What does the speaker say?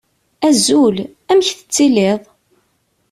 Azul, amek tettiliḍ?